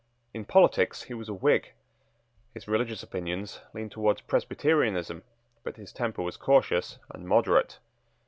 In politics he was a Whig: his religious opinions leaned towards Presbyterianism: but his temper was cautious and moderate.